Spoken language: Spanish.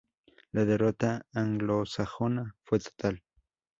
La derrota anglosajona fue total.